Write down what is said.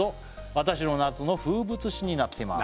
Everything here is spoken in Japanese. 「私の夏の風物詩になっています」